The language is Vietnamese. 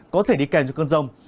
có thể đi kèm cho cơn rông